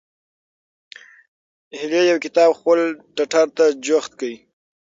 هیلې یو کتاب خپل ټټر ته جوخت کړ.